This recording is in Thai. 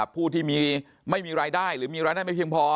ผู้ที่ไม่มีรายได้หรือมีรายได้ไม่เพียงพอ